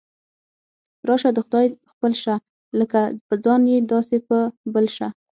راشه د خدای خپل شه، لکه په ځان یې داسې په بل شه.